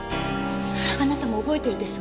あなたも覚えてるでしょ？